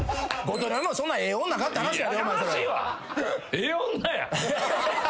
ええ女や。